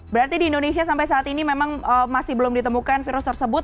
berarti di indonesia sampai saat ini memang masih belum ditemukan virus tersebut